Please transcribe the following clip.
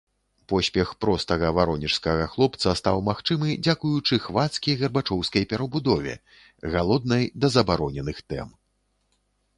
Поспех простага варонежскага хлопца стаў магчымы дзякуючы хвацкі гарбачоўскай перабудове, галоднай да забароненых тэм.